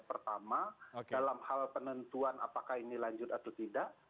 pertama dalam hal penentuan apakah ini lanjut atau tidak